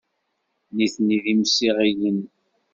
Nitni d imsiɣilen.